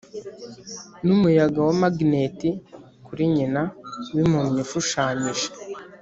numuyaga wa magneti kuri nyina wimpumyi ushushanyije,